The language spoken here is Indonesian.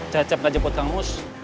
cacep nggak jemput kang mus